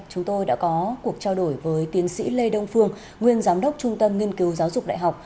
chúng tôi đã có cuộc trao đổi với tiến sĩ lê đông phương nguyên giám đốc trung tâm nghiên cứu giáo dục đại học